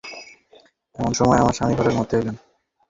এমন সময় আমার স্বামী ঘরের মধ্যে এলেন।